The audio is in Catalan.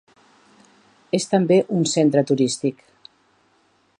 És també un centre turístic.